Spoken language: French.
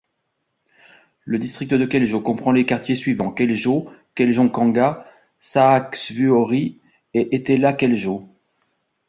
Le district de Keljo comprend les quartiers suivants: Keljo, Keljonkangas, Sääksvuori et Etelä-Keljo.